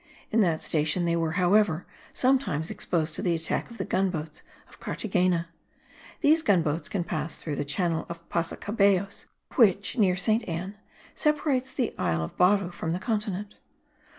In that station they were, however, sometimes exposed to the attack of the gun boats of Carthagena: these gun boats can pass through the channel of Pasacaballos which, near Saint Anne, separates the isle of Baru from the continent.